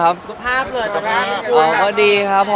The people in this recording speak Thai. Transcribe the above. ถามเรื่องอะไรครับ